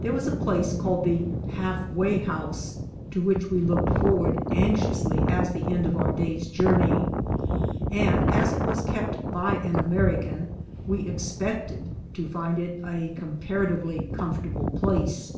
There was a place called the "Half way House," to which we looked forward anxiously as the end of our day's journey; and as it was kept by an American, we expected to find it a comparatively comfortable place.